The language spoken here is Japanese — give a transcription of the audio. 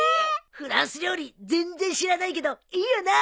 フランス料理全然知らないけどいいよな。